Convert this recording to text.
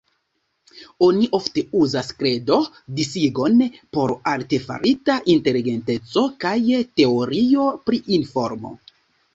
Oni ofte uzas Kredo-disigon por artefarita inteligenteco kaj teorio pri informo.